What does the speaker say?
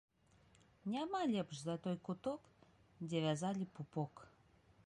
Няма лепш за той куток, дзе вязалі пупок